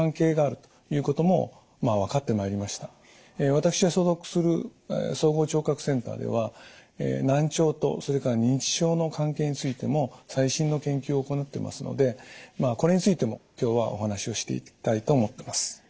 私が所属する総合聴覚センターでは難聴とそれから認知症の関係についても最新の研究を行ってますのでこれについても今日はお話をしていきたいと思ってます。